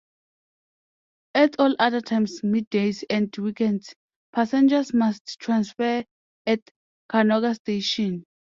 At all other times middays and weekends, passengers must transfer at Canoga Station.